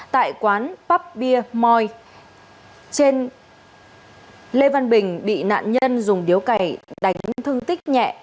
tại quán bắp bia moi trên lê văn bình bị nạn nhân dùng điếu cày đánh thương tích nhẹ